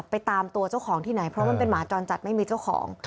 ตามตัวเจ้าของที่ไหนเพราะมันเป็นหมาจรจัดไม่มีเจ้าของ